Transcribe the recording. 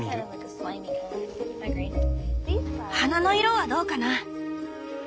花の色はどうかな？